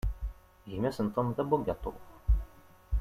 Gma-s n Tom, d abugaṭu.